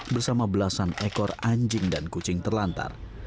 bersama belasan ekor anjing dan kucing terlantar